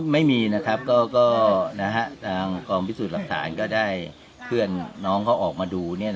ไม่มีนะครับก็ทางกองพิสูจน์หลักฐานก็ได้เพื่อนน้องเขาออกมาดู